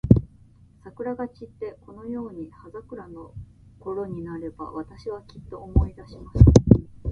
桜が散って、このように葉桜のころになれば、私は、きっと思い出します。